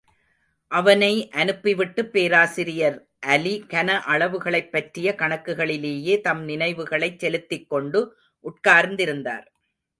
அவனை அனுப்பிவிட்டுப் பேராசிரியர் அலி, கன அளவுகளைப்பற்றிய கணக்குகளிலேயே தம் நினைவுகளை செலுத்திக் கொண்டு உட்கார்ந்திருந்தார்.